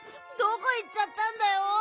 どこいっちゃったんだよ。